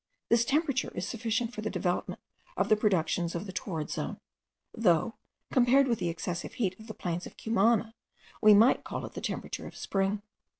This temperature is sufficient for the development of the productions of the torrid zone; though, compared with the excessive heat of the plains of Cumana, we might call it the temperature of spring.